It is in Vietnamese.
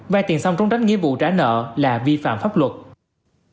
vay tiền xong trốn tránh nghĩa vụ trả nợ là vi phạm pháp luật